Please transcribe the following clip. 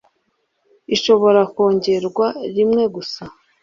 ishobora kwongerwa rimwe gusa